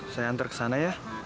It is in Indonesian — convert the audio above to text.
saya antar kesana ya